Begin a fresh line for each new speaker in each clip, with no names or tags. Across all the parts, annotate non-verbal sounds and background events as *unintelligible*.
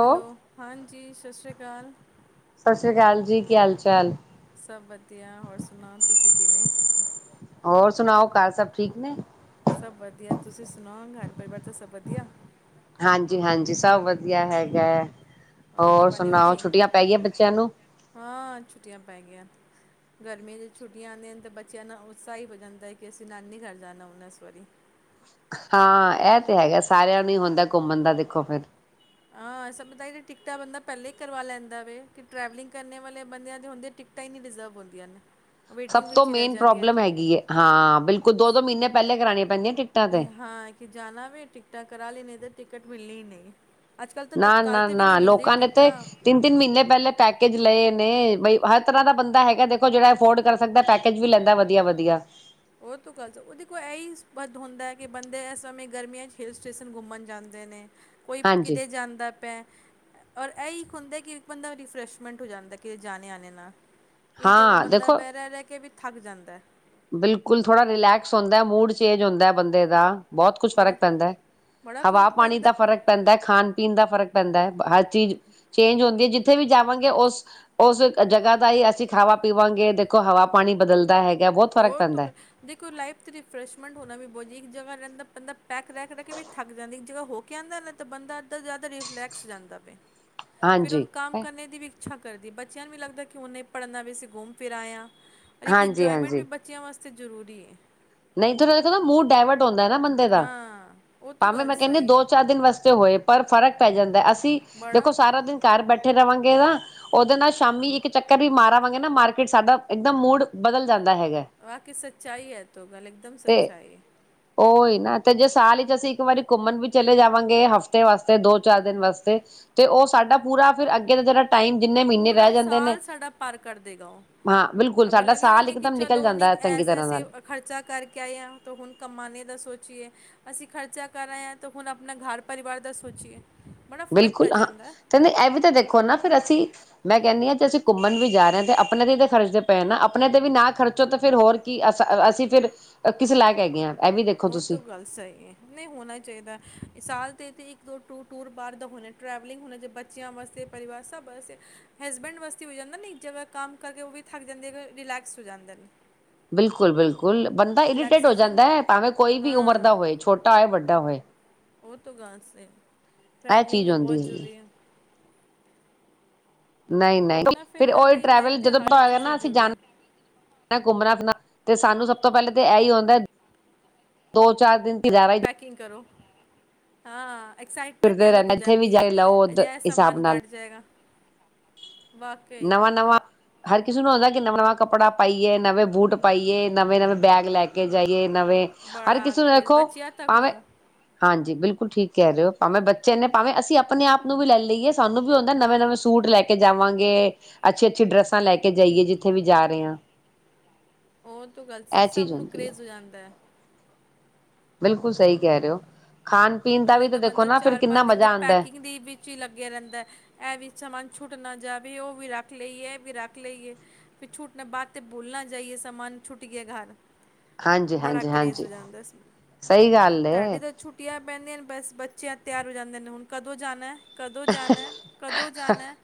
Hello ਹਾਂਜੀ, ਸਤਿ ਸ਼੍ਰੀ ਅਕਾਲ।
ਸਤਿ ਸ਼੍ਰੀ ਅਕਾਲ ਜੀ, ਕੀ ਹਾਲ ਚਾਲ।
ਸਭ ਵਧੀਆ ਹੋਰ ਸੁਣਾ ਤੁਸੀਂ ਕਿਵੇਂ?
ਹੋਰ ਸੁਣਾਓ ਘਰ ਸਭ ਠੀਕ ਨੇ?
ਸਭ ਵਧੀਆ ਤੁਸੀਂ ਸੁਣਾਓ ਘਰ ਪਰਿਵਾਰ ਚ ਸਭ ਵਧੀਆ?
ਹਾਂਜੀ ਹਾਂਜੀ ਸਭ ਵਧੀਆ ਹੈਗਾ ਹੈ।
ਰੋਟੀ ਪਾਣੀ ਹੋ ਗਈ?
ਬੱਚਿਆਂ ਨੂੰ?
ਹਾਂ ਛੁੱਟੀਆਂ ਪੈ ਗਈਆਂ। ਗਰਮੀਆਂ ਦੀ ਛੁੱਟੀਆਂ ਆਦੀਆਂ ਨੇ ਤਾਂ ਬੱਚਿਆਂ ਨਾ ਉਤਸਾ ਹੀ ਹੋ ਜਾਂਦਾ ਹੈ ਕਿ ਅਸੀਂ ਨਾਨੀ ਘਰ ਜਾਣਾ ਹੁੰਨਾ ਇਸ ਵਾਰੀ।
ਹਾਂ ਏ ਤੇ ਹੈਗਾ ਸਾਰਿਆਂ ਨੂੰ ਹੀ ਹੁੰਦਾ। ਘੁੰਮਣ ਦਾ ਦੇਖੋ ਫਿਰ?
ਹਾਂ ਅਸਾ ਪਤਾ ਹੀ ਟਿਕਟਾਂ ਬੰਦਾ ਪਹਿਲਾਂ ਹੀ ਕਰਵਾ ਲੈਂਦਾ ਵੇ ਕਿ ਟਰੈਵਲਿੰਗ ਕਰਨੇ ਵਾਲੇ ਬੰਦਿਆਂ ਦੇ ਹੁੰ ਟਿਕਟਾਂ ਹੀ ਨਹੀਂ ਰਿਜ਼ਰਵ ਹੁੰਦੀਆਂ ਨੇ।
ਸਭ
ਵੇਟਿੰਗ
ਤੋਂ
ਵਿੱਚ ਹੀ ਰਹਿ
ਮੇਨ
ਜਾਂਦੀਆਂ
ਪ੍ਰੋਬਲਮ ਹੈਗੀ ਏ ਹਾਂ ਬਿਲਕੁਲ ਦੋ ਦੋ ਮਹੀਨੇ ਪਹਿਲੇ ਕਰਾਨੀ *inaudible*
ਹਾਂ ਕਿ ਜਾਣਾ ਵੀ ਟਿਕਟਾਂ ਕਰਾ ਲੈਨੇ ਆ *unintelligible* ਟਿਕਟ ਮਿਲਨੀ ਨੀ
ਨਾ ਨਾ ਨਾ ਲੋਕਾਂ ਨੇ ਤੇ ਤਿੰਨ ਤਿੰਨ ਮਹੀਨੇ ਪੈਲੇ ਪੈਕੇਜ ਲਏ ਤੇ ਬਈ ਹਰ ਤਰ੍ਹਾਂ ਦਾ ਬੰਦਾ ਹੈਗਾ ਦੇਖੋ ਜਿਹੜਾ ਅਫੋਰਡ ਕਰ ਸਕਦਾ ਪੈਕੇਜ ਵੀ ਲੈਂਦਾ ਵਧੀਆ ਵਧੀਆ।
ਉਹ ਤੋਂ ਗੱਲ *unintelligible* ਕੋਲ ਇਹੀ ਵਧ ਹੁੰਦਾ ਕਿ ਬੰਦੇ ਇਸ ਸਮੇਂ ਗਰਮੀਆਂ 'ਚ ਹੀਲ ਸਟੇਸ਼ਨ ਘੁੰਮਣ ਜਾਂਦੇ ਨੇ। ਕੋਈ
ਹਾਂਜੀ।
ਕਿਤੇ ਜਾਂਦਾ ਪਿਆ। ਔਰ ਇੱਕ ਹੁੰਦਾ ਕਿ ਇੱਕ ਬੰਦਾ ਰਿਫਰੈਸ਼ਮੈਂਟ ਹੋ ਜਾਂਦਾ ਕਿਤੇ ਜਾਣੇ ਆਣੇ ਨਾਲ। ਇਹ ਜਗ੍ਹਾ
ਹਾਂ
ਬੰਦਾ
ਦੇਖੋ
ਬਹਿ ਰਿਹਾ ਰਹਿ ਕੇ ਵੀ ਥੱਕ ਜਾਂਦਾ ਹੈ।
ਬਿਲਕੁਲ ਥੋੜਾ ਰਿਲੈਕਸ ਹੁੰਦਾ ਮੂਡ ਚੇਂਜ ਹੁੰਦਾ ਬੰਦੇ ਦਾ। ਬਹੁਤ ਕੁਛ
ਬੜਾ
ਫਰਕ ਪੈਂਦਾ ਏ
ਬੜਾ ਫਰਕ
ਹਵਾ ਪਾਣੀ
ਪੈਂਦਾ
ਦਾ ਫਰਕ ਪੈਂਦਾ ਖਾਣ ਪੀਣ ਦਾ ਫ਼ਰਕ ਪੈਂਦਾ ਏ ਚੀਜ਼ ਚੇਂਜ ਹੁੰਦੀ *unintelligible* ਉੱਥੇ ਵੀ ਜਾਵਾਂਗੇ ਉਸ ਉਸ ਜਗ੍ਹਾ ਦਾ ਹੀ ਅਸੀਂ ਖਾਵਾ ਪੀਵਾਂਗੇ ਦੇਖੋ ਹਵਾ ਪਾਣੀ ਬਦਲਦਾ ਹੈਗਾ। ਬਹੁਤ ਫ਼ਰਕ
ਉਹ
ਪੈਂਦਾ।
*unintelligible* ਰਿਫਰੈਸ਼ਮੈਂਟ ਹੋਣਾ ਵੀ ਬਹੁਤ ਇੱਕ ਜ ਰਹਿੰਦਾ ਬੰਦਾ ਪੈਕ ਰੈ ਰਹਿ ਕੇ ਵੀ ਥੱਕ ਜਾਂਦਾ ਇੱਕ ਜ ਹੋ ਕੇ ਆਂਦਾ ਨਾ ਬੰਦਾ ਅੱਡੇ ਤੋਂ ਜ਼ਿਆਦਾ ਰੈਫਲੇਕ੍ਸ ਹੋ ਜਾਂਦਾ ਵੇ। ਫਿਰ
ਹਾਂਜੀ
ਹੁਣ ਕੰਮ ਕਰਨੇ ਦੀ ਵਿ ਅੱਛਾ ਕਰਦੀ ਬੱਚਿਆਂ ਨ ਵੀ ਲਗਦਾ ਕਿ ਉਹਨੇ ਪੜ੍ਹਨਾ ਵੀ ਅਸੀਂ ਘੁੰਮ ਫਿਰ ਆਇਆ।
ਹਾਂਜੀ ਹਾਂਜੀ
ਬੱਚਿਆਂ ਵਾਸਤੇ ਜ਼ਰੂਰੀ ਹੈ।
ਨਹੀ ਤਾਂ ਇਹ ਹੈ ਕਿ ਮੂਡ ਡੈਵਰਟ ਹੁੰਦਾ ਨਾ ਬੰਦੇ ਦਾ
ਹਾਂ ਉਹ ਤਾਂ
ਭਾਵੇਂ
ਗੱਲ
ਮੈਂ ਕਹਿੰਦੀ
ਸਹੀ
ਦੋ ਚਾਰ ਦਿਨ ਵਾਸਤੇ ਹੋਏ ਪਰ ਫਰਕ ਪੈ ਜਾਂਦਾ ਏ ਅਸੀ ਦੀ ਦੇਖੋ
ਬੜਾ
ਸਾਰਾ ਦਿਨ ਘਰ ਬੈਠੇ ਰਾਵਾਂਗੇ ਕਿਹਾ ਉਹਦੇ ਨਾਲ ਸ਼ਾਮੀ ਇੱਕ ਚੱਕਰ ਵੀ ਮਾਰਾਵਾਂਗੇ ਨਾ ਮਾਰਕੀਟ ਸਾਡਾ ਇੱਕਦਮ ਮੂਡ ਬਦਲ ਜਾਂਦਾ ਹੈਗਾ
ਬਾਕੀ ਸੱਚਾਈ ਇਹ ਤੋ ਇੱਕਦਮ
ਤੇ
ਸੱਚਾਈ।
ਉਹੀ ਨਾ ਤੇ ਜੇ ਸਾਲ ਹੀ ਅਸੀਂ ਇੱਕ ਵਾਰੀ ਘੁੰਮਣ ਵੀ ਚਲੇ ਜਾਵਾਂਗੇ ਹਫ਼ਤੇ ਵਾਸਤੇ ਦੋ ਚਾਰ ਦਿਨ ਵਾਸਤੇ ਤੇ ਉਹ ਸਾਡਾ ਪੂਰਾ ਫਿਰ ਅੱਗੇ ਦਾ ਜਿਹੜਾ ਟਾਈਮ ਜਿੰਨੇ ਮਹੀਨੇ
ਪੂਰਾ
ਰਹਿ ਜਾਂਦੇ ਨੇ
ਸਾਲ ਸਾਡਾ ਪਾਰ ਕਰ ਦੇਗਾ
ਹਾਂ ਬਿਲਕੁਲ
ਉਹ
ਸਾਡਾ
ਲਗੇ
ਸਾਲ
ਮਨੇ ਕਿ
ਇਕਦਮ ਨਿਕਲ
ਚਲੋ
ਜਾਂਦਾ
ਉਹਨੇ
ਹੈ ਚੰਗੀ ਤਰ੍ਹਾਂ
ਐਸ-ਐਸੇ
ਨਾਲ
ਖਰਚਾ ਕਰਕੇ ਆਏ ਹਾਂ ਤਾਂ ਹੁਣ ਕਮਾਾਨੇ ਦਾ ਸੋਚੀਏ ਅਸੀਂ ਖਰਚਾ ਕਰ ਆਏ ਹਾਂ ਤਾਂ ਹੁਣ ਆਪਣਾ ਘਰ ਪਰਿਵਾਰ ਦਾ ਸੋਚੀਏ ਬੜਾ ਫ਼ਰਕ ਪੈ
ਬਿਲਕੁਲ ਹਾਂ
ਜਾਂਦਾ ਹੈ।
ਕਹਿੰਦੇ ਇਹ ਵੀ ਤਾਂ ਦੇਖੋ ਨਾ ਫਿਰ ਅਸੀਂ ਮੈਂ ਕਹਿੰਦੀ ਹਾਂ ਜੇ ਅਸੀਂ ਘੁੰਮਣ ਵੀ ਜਾ ਰਹੇ ਹਾਂ ਅਤੇ ਆਪਣੇ 'ਤੇ ਤਾਂ ਖਰਚਦੇ ਪਏ ਨਾ ਆਪਣੇ 'ਤੇ ਵੀ ਨਾ ਖਰਚੋ ਤਾਂ ਫਿਰ ਹੋਰ ਕੀ ਅਸ ਅਸੀਂ ਫਿਰ ਕਿਸ ਲੈਕ ਹੈਗੇ ਹਾਂ। ਇਹ ਵੀ ਦੇਖੋ
ਉਹ ਤਾਂ
ਤੁਸੀਂ
ਗੱਲ ਸਹੀ ਹੈ। ਨਹੀਂ ਹੋਣਾ ਚਾਹੀਦਾ ਸਾਲ ਅਤੇ ਅਤੇ ਇੱਕ ਦੋ ਟ ਟੂਰ ਬਾਹਰ ਦਾ ਹੋਣਾ ਟਰੈਵਲਿੰਗ ਹੋਣੇ ਜ ਬੱਚਿਆਂ ਵਾਸਤੇ ਪਰਿਵਾਰ ਸਭ ਵਾਸਤੇ ਹਸਬੈਂਡ ਵਾਸਤੇ ਵੀ ਹੋ ਜਾਂਦਾ ਨੇ ਇੱਕ ਜਗ੍ਹਾ ਕੰਮ ਕਰਕੇ ਉਹ ਵੀ ਥੱਕ ਜਾਂਦੇ ਰਿਲੈਕਸ ਹੋ ਜਾਂਦਾ।
ਬਿਲਕੁਲ- ਬਿਲਕੁਲ। ਗੁਲ ਬੰਦਾ ਇਰੀਟੇਟ ਹੋ
ਰਿਲੈਕਸੇਸ਼ਨ
ਜਾਂਦਾ ਹੈ, ਭਾਵੇਂ ਕੋਈ ਵੀ ਉਮਰ ਦਾ
ਹਾਂ
ਹੋਏ ਛੋਟਾ ਹੋਏ ਵੱਡਾ ਹੋਵੇ
ਉਹ ਤੋਂ ਗਾਸਤੇ ਟਰੈਵਲਿੰਗ
ਚੀਜ਼
ਵੀ
ਹੁੰਦੀ
ਬਹੁਤ
ਹੈਗੀ
ਜ਼ਰੂਰੀ ਏ।
ਨਹੀ-ਨਹੀਂ
ਘੁੰਮਣਾ
ਫਿਰ
ਫਿਰਨਾ
ਉਹੀ
ਵੀ ਲਾਈਫ
ਟਰੈਵਲ
'ਤੇ
ਜਦੋਂ
ਹਰ ਇੱਕ
ਪਤਾ
ਚੀਜ਼
ਨਾ ਅਸੀਂ
ਜ਼ਰੂਰੀ ਹੈ
ਜਾਣਾ ਘੁੰਮਣਾ ਫਿਰਨਾ ਤੇ ਸਾਨੂੰ ਸਭ ਤੋਂ ਪਹਿਲੇ ਤਾਂ ਇਹੀ ਹੁੰਦਾ ਦੋ ਚਾਰ ਦਿਨ ਗੁਜ਼ਾਰਾ ਹੀ
ਪੈਕਿੰਗ ਕਰੋ ਹਾਂ ਐਕਸਾਈਟਮੈਂਟ ਹੀ
ਫਿਰਦੇ
ਅਲੱਗ
ਰਹਿਣਾ
ਹੋ
ਇੱਥੇ ਵੀ
ਜਾਂਦੀ
ਜਾ
ਹੈ
ਲਓ ਓਦ
ਅਜੇ
ਹਿਸਾਬ
ਸਮਾਨ
ਨਾਲ
ਘੱਟ ਜਾਏਗਾ। ਵਾਕਈ
ਨਵਾਂ-ਨਵਾਂ ਹਰ ਕਿਸੇ ਨੂੰ ਅਗਰ ਨਵਾਂ-ਨਵਾਂ ਕੱਪੜਾ ਪਾਈਏ ਨਵੇਂ ਬੂਟ ਪਾਈਏ ਨਵੇਂ-ਨਵੇਂ ਬੈਗ ਲੈ ਕੇ ਜਾਈਏ। ਨਵੇਂ ਹਰ
ਬੜਾ
ਕਿਸੇ ਨੂੰ
ਕਰੇਜ਼
ਵੇਖੋ
ਬੱਚਿਆਂ ਤੱਕ
ਭਾਵੇਂ
ਨੂੰ
ਹਾਂਜੀ ਜੀ ਬਿਲਕੁਲ ਠੀਕ ਕਹਿ ਰਹੇ ਹੋ ਭਾਵੇਂ ਬੱਚੇ ਨੇ ਭਾਵੇਂ ਅਸੀਂ ਆਪਣੇ ਆਪ ਨੂੰ ਵੀ ਲੈ ਲਈਏ ਸਾਨੂੰ ਵੀ ਹੁੰਦਾ
ਹਾਂ
ਨਵੇਂ-ਨਵੇਂ ਸੂਟ ਲੈ‌ ਕੇ ਜਾਵਾਂਗੇ। ਅੱਛੀ-ਅੱਛੀ ਡਰੈੱਸਾਂ ਲੈ ਕੇ ਜਾਈਏ ਜਿੱਥੇ ਵੀ ਜਾ ਰਹੇ ਹਾਂ।
ਉਹ ਤ ਗੱਲ ਸੀ
ਇਹ
ਸਭ
ਚੀਜ਼
ਨੂੰ
ਹੁੰਦੀ ਹੈ
ਕਰੇਜ਼ ਹੋ ਜਾਂਦਾ।
ਬਿਲਕੁਲ ਸਹੀ ਕਹਿ ਰਹੇ ਹੋ। ਖਾਣ-ਪੀਣ ਦਾ
ਪਹਿਲੇ
ਵੀ
ਤਾਂ
ਦੇਖੋ
ਬੰਦਾ
ਨਾ ਫਿਰ
ਚਾਰ
ਕਿੰਨਾ
ਪੰਜ ਦਿਨ ਦੇ
ਮਜ਼ਾ ਆਉਂਦਾ ਹੈ
ਪੈਕਿੰਗ ਦੇ ਵਿੱਚ ਹੀ ਲੱਗੇਿਆ ਰਹਿੰਦਾ ਇਹ ਵੀ ਸਮਾਨ ਛੁੱਟ ਛੁੱਟਣਾ ਜਾਵੇ ਉਹ ਵੀ ਰੱਖ ਲਈਏ ਇਹ ਵੀ ਰੱਖ ਲਈਏ ਛੂਟ ਦੇ ਬਾਅਦ ਤਾਂ ਬੋਲਣਾ ਜਾਈਏ ਸਮਾਨ ਛੁੱਟ ਗਯਾ ਘਰ
ਹਾਂਜੀ-
ਬੜਾ
ਹਾਂਜੀ-
ਕਰੇਜ਼
ਹਾਂਜੀ
ਹੋ ਜਾਂਦਾ ਇਸ
ਸਹੀ ਗੱਲ
ਸਾਡੀ
ਏ।
ਤਾਂ ਛੁੱਟੀਆਂ ਪੈਂਦੀਆਂ ਬਸ ਬੱਚਿਆਂ ਤਿਆਰ ਹੋ ਜਾਂਦੇ ਨੇ ਹੁਣ ਕਦੋਂ ਜਾਣਾ? ਕਦੋਂ ਜਾਣਾ, ਕਦੋਂ ਜਾਣਾ,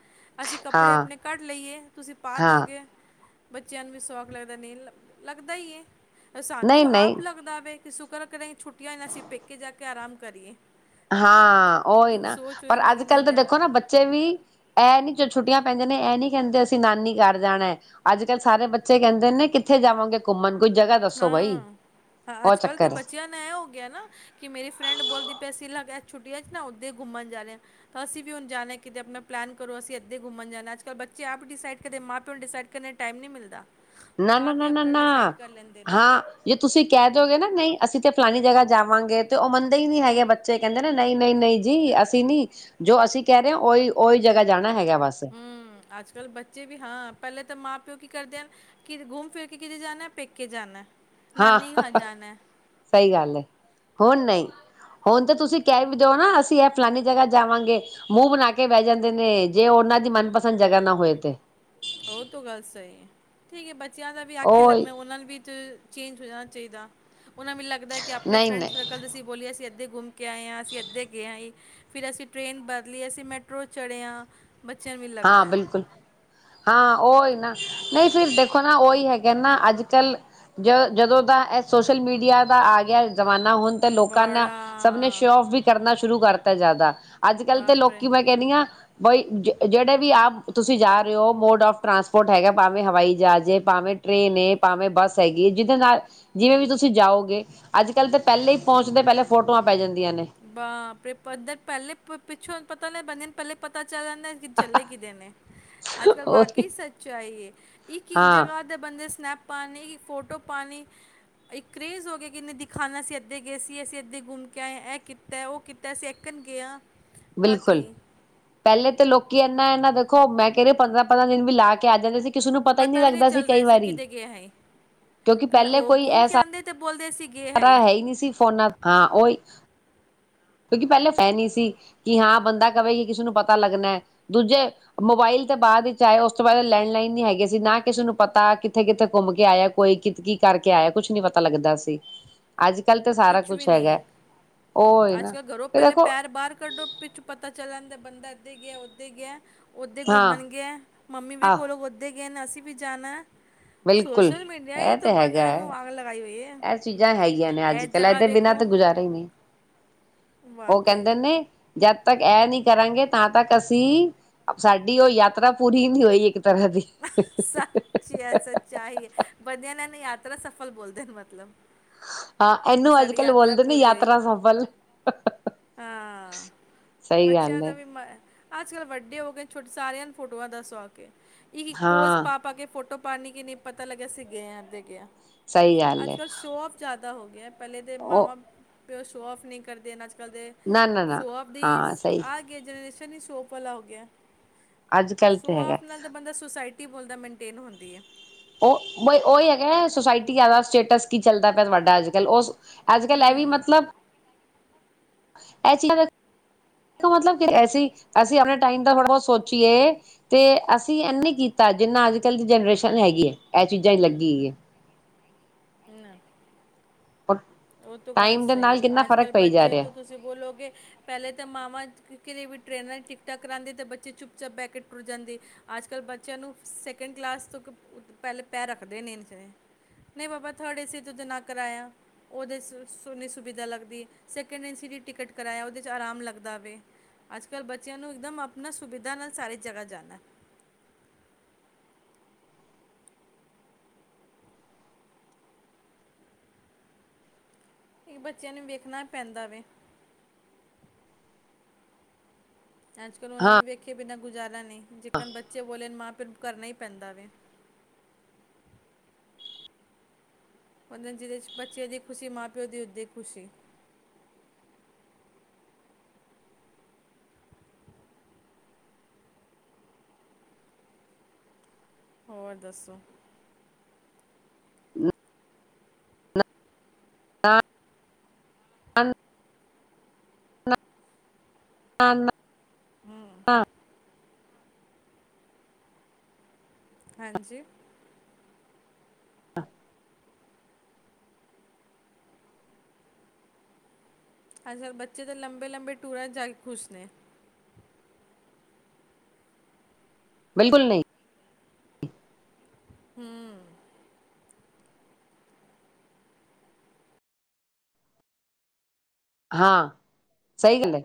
ਅਸੀਂ ਕੱਪੜੇ ਆਪਣੇ
ਹਾਂ-ਹਾਂ
ਘੱਟ ਲਈਏ ਤੁਸੀਂ ਪਾ ਦਿਓਗੇ। ਬੱਚਿਆਂ ਨੂੰ ਵੀ ਸੌਖ ਲੱਗਦਾ ਨੀਲ ਲੱਗਦਾ ਈ ਏ। ਸਾਨੂੰ
ਨਹੀਂ-ਨਹੀਂ
ਆਪ ਲੱਗਦਾ ਵੇ। ਸੁਕਰ ਕਰ ਛੁੱਟੀਆਂ ਸੀ ਪੇਕੇ ਜਾ ਕੇ ਕੇ ਆਰਾਮ ਕਰੀਏ
ਹਾਂ ਉਹੀ
ਇੱਕ
ਨਾ
ਸੋਚ ਹੋ
ਪਰ
ਜਾਂਦੀ ਕਿ
ਅੱਜ-ਕੱਲ
ਨਹੀਂ
ਤਾਂ
ਜਾਣ
ਦੇਖੋ ਨਾ ਬੱਚੇ ਵੀ ਇਹ ਨੀ ਜੋ ਛੁੱਟੀਆਂ ਪੈਂਦੇ ਨੇ ਇਹ ਨੀ ਕਹਿੰਦੇ ਅਸੀਂ ਨਾਨੀ ਘਰ ਜਾਣਾ ਅੱਜ-ਕੱਲ ਸਾਰੇ ਬੱਚੇ ਕਹਿੰਦੇ ਨੇ ਕਿੱਥੇ ਜਾਵਾਂਗੇ ਘੁੰਮਣ ਕੋਈ ਜਗ੍ਹਾ ਦੱਸੋ ਬਾਈ।
ਹਾਂ,
ਉਹ
ਅੱਜ-ਕੱਲ ਤਾਂ
ਚੱਕਰ ਹੈ
ਬੱਚਿਆਂ ਨੂੰ ਇਹ ਹੋਗਿਆ ਨਾ ਕਿ ਮੇਰੀ ਫਰੈਂਡ ਬੋਲਦੀ ਪੈਸੀ ਲਗ ਛੁੱਟ ' ਨਾ ਉੱਧ ਘੁੰਣ ਜਾ ਹ ਤਾਂ ਅਸੀਂ ਵੀ ਹੁਣ ਜਾਣਾ ਕਿਤੇ ਛੁਟੀਆਂ ਚ ਨਾ ਓਦੇ ਘੁੰਮਣ ਜਰਿਆ ਅਸੀ ਵੀ ਹੁਣ ਜਾਣਾ ਕਿੱਥੇ ਆਪਨਾ ਪਲਾਨ ਕਰੋ ਅਸੀਂ ਅੱਧੇ ਘੁੰਮਣ ਜਾਣਾ ਅੱਜ-ਕੱਲ ਬੱਚੇ ਆਪ ਡਿਸਾਈਡ ਕਦੇ ਮਾਂ ਪਿਓ ਨੂੰ ਡਿਸਾਈਡ ਕਰਨ ਦਾ ਟਾਈਮ ਨਹੀਂ ਮਿਲਦਾ ਉਹ
ਨ
ਆਪ ਹੀ
ਨਾ ਨਾ
ਆਪਣਾ
ਨਾ
ਡਿਸਾਈਡ ਕਰ ਲੈਂਦੇ ਨੇ
ਹਾਂ, ਜੇ ਤੁਸੀ ਕਹਿ ਦੋਗੇ ਨਾ ਨਹੀਂ ਅਸੀਂ ਤੇ ਫਲਾਨੀ ਜਗਾ ਜਾਵਾਂਗੇ ਤੇ ਉਹ ਮੰਨਦੇ ਹੀ ਨਹੀ ਹੈਗੇ ਬੱਚੇ ਕਹਿੰਦੇ ਨੇ ਨਹੀਂ, ਨਹੀਂ, ਨਹੀਂ ਜੀ ਅਸੀਂ ਨੀ ਜੋ ਅਸੀਂ ਕਹਿ ਰਹੇ ਹਾਂ ਉਹੀ, ਉਹੀ ਜਗਾ ਜਾਣਾ ਹੈਗਾ ਬਸ
ਹਮ, ਅੱਜ-ਕੱਲ ਬੱਚੇ ਵੀ ਹਾਂ ਪਹਿਲੇ ਤਾਂ ਮਾਂ ਪਿਓ ਕੀ ਕਰਦੇ ਹਨ। ਕਿ ਘੁੰਮ ਫਿਰ ਕੇ ਕਿਤੇ ਜਾਣਾ ਪੇਕੇ ਜਾਣਾ
ਹਾਂ,
ਨਾਨੀ ਘਰ ਜਾਣਾ
ਸਹੀ ਗੱਲ ਹੈ ਹੁਣ ਨਹੀਂ ਹੁਣ ਤਾਂ ਤੁਸੀਂ ਕਹਿ ਵੀ ਦਿਓ ਨਾ ਅਸੀਂ ਇਹ ਫਲਾਨੀ ਜਗਾ ਜਾਵਾਂਗੇ ਮੂੰਹ ਬਣਾ ਕੇ ਬਹਿ ਜਾਂਦੇ ਨੇ ਜੇ ਉਹਨਾਂ ਦੀ ਮਨਪਸੰਦ ਜਗਾ ਨਾ ਹੋਏ ਤੇ
ਉਹ ਤ ਗੱਲ ਸਹੀ ਹੈ ਠੀਕ ਹੈ ਬੱਚੇ ਬੱਚਿਆਂ ਦਾ ਵੀ ਆਖੇ
ਉਹ
ਲੱਗਣਾ ਉਹਨਾਂ ਨੂੰ ਵੀ ਚੇਂਜ ਹੋ ਜਾਣਾ ਚਾਹੀਦਾ ਉਹਨਾਂ ਮੈਨੂੰ ਲਗਦਾ ਕਿ ਆਪਣੇ
ਨਹੀਂ
ਫਰੈਂਡ
ਨਹੀਂ
ਸਰਲ ਅਸੀ ਬੋਲਿਆ ਸੀ *inaudible* ਕੇ ਆਏ ਹ ਅਸੀਂ ਅੱਧੇ ਗਏ ਹਾਂ ਫਿਰ ਅਸੀਂ ਟ੍ਰੇਨ ਬਦਲੀ ਅਸੀਂ ਮੈਟਰੋ ਚੜਿਆ ਬੱਚਿਆਂ ਨੂੰ ਵੀ
ਹਾਂ
ਲੱਗਦਾ
ਬਿਲਕੁਲ ਹਾਂ ਉਹਹੀ ਨਾ ਨਹੀਂ ਫਿਰ ਦੇਖੋ ਨਾ ਉਹੀ ਹੈਗਾ ਨਾ ਅੱਜ-ਕੱਲ ਜ ਜਦੋਂ ਦਾ ਇਹ ਸੋਸ਼ਲ ਮੀਡੀਆ ਦਾ ਆ ਗਿਆ ਜ਼ਮਾਨਾ ਹੁਣ ਤੇ ਲੋਕਾਂ ਨਾਲ
ਬੜਾ
ਸਭ ਨੇ ਸ਼ੋਵੋਫ ਵੀ ਕਰਨਾ ਸ਼ੁਰੂ ਕਰਤਾ ਜ਼ਿਆਦਾ ਅੱਜ-ਕੱਲ ਤੇ
ਬਾਪ ਰੇ
ਲੋਕੀ ਮੈਂ ਕਹਿੰਦੀ ਹਾਂ ਬਈ ਜ ਜਿਹੜੇ ਵੀ ਆਪ ਤੁਸੀਂ ਜਾ ਰਹੇ ਹੋ ਮੋਡ ਆਫ ਟਰਾਂਸਪੋਰਟ ਹੈਗਾ। ਭਾਵੇਂ ਹਵਾਈ ਜਹਾਜ਼, ਭਾਵੇਂ ਟਰੇੇਨ ਏ, ਭਾਵੇਂ ਬੱਸ ਹੈਗੀ ਹੈ। ਜਿਹਦੇ ਨਾਲ ਜਿਵੇਂ ਵੀ ਤੁਸੀਂ ਜਾਓਗੇ ਅੱਜ-ਕੱਲ ਤਾਂ ਪਹਿਲੇ ਹੀ ਪਹੁੰਚਦੇ ਪਹਿਲੇ ਫੋਟੋਆਂ ਪੈ ਜਾਂਦੀ
ਬਾਪਰੇ ਪਦਰ ਪਹਿਲੇ ਪਿੱਛੋ ਪਤਾ ਲੈ ਬੰਦੇ ਨੇ ਪਹਿਲੇ ਪਤਾ ਚਲਣ ਦਾ ਚੱਲੇ ਕਿਦੇ ਨੇ, ਅੱਲ-ਕੱਲ ਵਾਕ
ਉਹੀ
ਸੱਚਾਈ ਹੈ। ਇਕ ਇਕ
ਹਾਂ
ਜਗਹਾ ਦੇ ਬੰਦੇ ਸਨੈਪ ਪਾਣੀ ਦੀ ਫੋਟੋ ਪਾਣੀ ਇੱਕ ਕ੍ਰੇਜ਼ ਹੋਗਿਆ ਕਿਨੇ ਦਿਖਾਨਾ ਸੀ ਅੱਧੇ ਗਏ ਸੀ ਐਸੀੇ ਅੱਧੇ ਘੁੰਮ ਕੇ ਆਏ ਏਹਕੀ ਕੀਤਾ ਉਹ ਕੀਤਾ ਅਸੀਂ ਐਕਣ ਗਏ ਹਾਂ
ਬਿਲਕੁਲ,
ਵਾਕਈ
ਪਹਿਲੇ ਤਾਂ ਲੋਕੀ ਨਾ ਇਹਨਾਂ ਦੇਖੋ ਮੈਂ ਕਹਿ ਰਹੀ ਪੰਦਰਾਂ, ਪੰਦਰਾਂ ਦਿਨ ਵੀ ਲਾ ਕੇ ਆ ਜਾਂਦੇ ਸੀ। ਕਿਸੇ ਨੂੰ ਪਤਾ ਹੀ ਨਹੀਂ
ਵੀ
ਲੱਗਦਾ ਸੀ
ਚੱਲਦਾ
ਕਈ
ਇਸੇ
ਵਾਰੀ
ਕਿਦੇ ਗਏ ਹੈ
ਕਿਉਂਕਿ ਪਹਿਲੇ
ਉਹ
ਕੋਈ
ਘੁੰਮ ਕੇ
ਐਸਾ
ਆਉਂਦੇ ਤੇ ਬੋਲਦੇ ਅਸੀਂ ਗਏ
ਸਾਰਾ ਹੈ ਈ ਨੀ ਸੀ ਫੋਨਾਂ ਹਾਂ ਓਹੀ ਕਿਉਂਕਿ ਪਹਿਲੇ ਹੈ ਨੀ ਸੀ ਕਿ ਹਾਂ ਬੰਦਾ ਕਵੇ ਕਿ ਕਿਸੇ ਨੂੰ ਪਤਾ ਲੱਗਣਾ ਦੂਜੇ ਮੋਬਾਇਲ ਤੇ ਬਾਅਦ ਵਿੱਚ ਆਏ ਉਸ ਤੋਂ ਬਾਅਦ ਲੈਂਡਲਾਈਨ ਨੀ ਹੈਗੇ ਸੀ, ਨਾ ਕਿਸੇ ਨੂੰ ਪਤਾ ਕਿੱਥੇ ਕਿੱਥੇ ਘੁੰਮ ਕੇ ਆਇਆ ਕੋਈ ਕਿ ਕੀ ਕਰਕੇ ਆਇਆ ਕੁਛ ਨੀ ਪਤਾ ਲੱਗਦਾ ਸੀ, ਅੱਜ ਕੱਲ ਤਾਂ ਸਾਰਾ ਕੁਛ ਹੈਗਾ ਔ
ਘਰੋ ਪਹਿਲੇ ਪੈਰ ਬਾਹਰ ਕੱਢੋ ਪਿੱਛੋਂ ਪਤਾ ਚੱਲ ਜਾਂਦਾ ਬੰਦਾ ਇੱਧੇ ਗਿਆ ਉਥੇ ਗਿਆ। ਓਦੇ
ਹਾਂ
ਘੁੰਮਣ ਗਯਾ ਮੰਮੀ
ਆਹ
ਵੇਖੋ ਔ ਲੋਗ ਉਥੇ ਕੇਨ ਅਸੀਂ ਵੀ ਜਾਨਾ
ਬਿਲਕੁਲ
ਸੋਸਲ ਮੀਡੀਆ ਹੀ
ਇਹ
ਤੋਂ
ਤੇ ਹੈਗਾ
ਬੰਦਿਆਂ
ਹੈ
ਨੂੰ ਅੱਗ ਲਗਾਈ ਹੋਈ, ਹੈ
ਇਹ ਚੀਜ਼ਾਂ ਹੈਗੀਆਂ। ਅੱਜ
ਇਹ
ਕੱਲ
ਜਗ੍ਹਾ
ਏਦੇ ਬਿਨਾਂ
ਵੇਖੋ
ਤੇ ਗੁਜ਼ਾਰਾ ਹੀ ਨਹੀਂ। ਉਹ
ਵਾਕਈ
ਕਹਿੰਦੇ ਨੇ ਜਦ ਤੱਕ ਏ ਨੀ ਕਰਾਂਗੇ ਤਾਂ ਤੱਕ ਅਸੀਂ ਸਾਡੀ ਔ ਯਾਤਰਾ ਪੂਰੀ ਹੀ ਨੀ ਹੋਈ। ਤਰ੍ਹਾਂ ਦੀ
ਸੱਚ ਏ ਸੱਚਾਈ ਹੈ *unintelligible* ਯਾਤਰਾ ਸਫਲ ਬੋਲਦੇ ਨੇ ਮਤਲਬ
ਹਾਂ
ਕਿ
ਇਨੂੰ ਅੱਜ
ਸਾਡੀ
ਕੱਲ
ਯਾਤਰਾ
ਬੋਲਦੇ ਨੇ
ਪੂਰੀ ਹੋਈ
ਯਾਤਰਾ ਸਫਲ।
ਹਾਂ
ਸਹੀ ਗੱਲ
ਬੱਚਿਆਂ
ਹੈ
ਦਾ ਵੀ ਮ ਅੱਜ ਕੱਲ੍ਹ ਵੱਡੇ ਹੋ ਗਏ ਛੋਟੇ ਸਾਰਿਆਂ ਨੂੰ ਫੋਟੋਆਂ ਦਾ *unintelligible* ਇੱਕ-ਇੱਕ ਪੋਜ
ਹਾਂ
ਪਾ-ਪਾ ਕੇ ਫੋਟੋ, ਪਾਣੀ ਕਿ ਨਹੀਂ ਪਤਾ ਲੱਗਿਆ ਅਸੀ ਗਏ ਆ ਤੇ,
ਸਹੀ ਗੱਲ ਹੈ।
ਪਤਾ ਹੋ *unintelligible* ਪਹਿਲੇ ਤੇ ਮਾਵਾਂ
ਉਹ
ਫੇਰ ਔ ਸ਼ੋ ਆਫ ਨਹੀਂ ਕਰਦੇ ਨਾ ਜੀ। ਕਦੇ
ਨਾ ਨਾ ਨਾ
ਸ਼ੋਆ ਆਫ ਦੀ
ਹਾਂ ਸਹੀ
ਆ *unintelligible* *unintelligible* ਨੀ ਸੋਪ ਵਾਲਾ ਹੋ ਗਿਆ।
ਅੱਜ ਕੱਲ ਤੇ ਹੈਗਾ।
ਟੀ ਬੋਲਦਾ ਮੇਨਟੇਨ ਹੁੰਦੀ ਹੈ।
ਉ ਬਈ ਉਈ ਹੈਗਾ ਸੁਸਾਇਟੀਆਂ ਦਾ ਸਟੇਟਸ ਕੀ ਚੱਲਦਾ ਪਿਆ ਤੁਹਾਡਾ ਅੱਜ ਕੱਲ੍ਹ ਉਹ ਅੱਜ ਕੱਲ੍ਹ ਏ ਵੀ
ਹੂੰ,
ਮਤਲਬ ਇਹ ਚੀਜ਼ਾਂ ਕ ਮਤਲਬ ਕਿ ਅਸੀ ਅਸੀਂ ਆਪਣੇ ਟਾਈਮ ਦਾ ਥੋੜ੍ਹਾ ਬਹੁਤ ਸੋਚੀਏ ਤੇ ਅਸੀਂ ਏਨੀ ਕੀਤਾ ਜਿੰਨਾ ਅੱਜ ਕੱਲ ਦੀ ਜਨਰੇਸ਼ਨ ਹੈਗੀ ਹੈ ਇਹ ਚੀਜ਼ਾਂ ਚ ਲੱਗੀ ਈ ਏ।
ਹੈਨਾ
ਔਰ
ਉਹ ਤੋਂ ਗੱਲ
ਟਾਈਮ ਦੇ
ਸਹੀ
ਨਾਲ ਕਿੰਨਾ
ਹੈ ਅੱਜ
ਫ਼ਰਕ
ਕੱਲ
ਪਈ ਜਾ
ਬੱਚੇ
ਰਿਹਾ
ਤੋਂ ਤੁਸੀਂ ਬੋਲੋਗੇ ਪਹਿਲੇ ਤਾਂ ਮਾਵਾਂ ਕਿ ਕਿਤੇ ਵੀ ਟਰੇਨਾਂ 'ਚ ਟਿਕਟਾਂ ਕਰਾਉਂਦੇ ਤਾਂ ਬੱਚੇ ਚੁੱਪ ਚਾੱਪ ਬਹਿ ਕੇ ਟੁਰ ਜਾਂਦੇ ਅੱਜ ਕੱਲ੍ਹ ਬੱਚਿਆਂ ਨੂੰ ਸੈਕਿੰਡ ਕਲਾਸ ਤੋਂ ਪਹਿਲੇ ਪੈ ਰੱਖਦੇ ਨੀ ਨਹੀਂ ਬਾਬਾ ਥਰਡ ਏੇ ਚ ਨਾ ਕਰਾਇਆ ਉਹਦੇ ' ਸ ਸੋਹਨੀ ਸੁਵਿਧਾ ਲੱਗਦੀ ਏ ਸੈਕਿੰਡ ਐਂਡ ਸੀ ਡ ਟਿਕਟ ਕਰਾਇਆ ਉਹਦੇ 'ਚ ਆਰਾਮ ਲੱਗਦਾ ਵੇ ਅੱਜ ਕੱਲ੍ਹ ਬੱਚਿਆਂ ਨੂੰ ਇੱਕਦਮ ਆਪਣਾ ਸੁਵਿਧਾ ਨਾਲ ਸਾਰੀ ਜਗ੍ਹਾ ਜਾਣਾ ਕਿ ਬੱਚਿਆਂ ਨੂੰ ਵੇਖਣਾ ਵ ਪੈਂਦਾ ਵੇ ਅੱਜ ਕੱਲ੍ਹ ਉਹਨਾਂ
ਹਾਂ
ਨੂੰ ਵੇਖੇ ਬਿਨਾਂ ਗੁਜ਼ਾਰਾ ਨਈ ਜਿਕਨ ਬੱਚੇ ਬੋਲੇ ਮਾਂ ਪੇ ਨੂੰ ਕਰਨਾ ਹੀ ਪੈਂਦਾ ਵੇ ਉਹਦੇ ਜਿਹਦੇ ਚ ਬੱਚਿਆਂ ਦੀ ਖ਼ੁਸ਼ੀ ਮਾਂ ਪਿਓ ਦੀ ਉਹਦਾ ਖ਼ੁਸ਼ੀ ਹੋਰ ਦੱਸੋ
ਨ ਨਾ ਨਾ ਨਾ ਨਾ
ਹੂੰ
ਨਾ *inaudible*
ਹਾਂਜੀ?
ਅਹ
ਅੱਜ ਕੱਲ ਬੱਚੇ ਤਾਂ ਲੰਬੇ ਲੰਬੇ ਟੂਰਾਂ ਤੇ ਜਾ ਕੇ ਖੁਸ਼ ਨੇ
ਬਿਲਕੁਲ ਨਹੀਂ
ਹਮ
ਹਾਂ ਸਹੀ ਗੱਲ ਏ